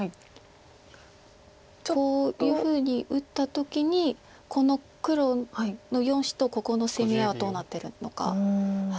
こういうふうに打った時にこの黒の４子とここの攻め合いはどうなってるのか。